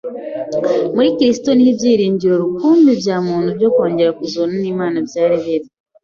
Muri Kristo ni ho ibyiringiro rukumbi bya muntu byo kongera kuzura n’Imana byari biri.